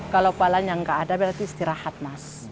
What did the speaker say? kalau palanya nggak ada berarti istirahat mas